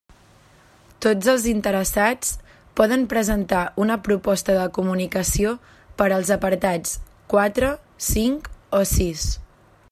Tots els interessats poden presentar una proposta de comunicació per als apartats quatre, cinc o sis.